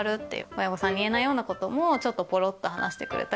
親御さんに言えないようなこともちょっとポロっと話してくれたり。